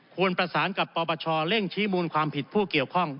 ควรประสานกับปปชเร่งชี้มูลความผิดผู้เกี่ยวข้อง